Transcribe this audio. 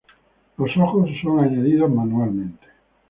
Los ojos son añadidos manualmente.